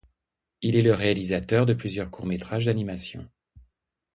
Il est le réalisateur de plusieurs courts métrages d'animation.